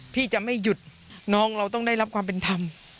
พี่จะไม่หยุดน้องเราต้องได้รับความเป็นธรรม